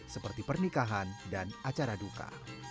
seperti pernikahan dan acara duka